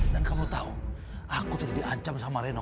dan kamu tahu aku tuh di ancam sama reno